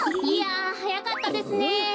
いやはやかったですね。